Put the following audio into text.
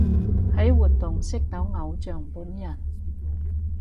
喺活動識到偶像本人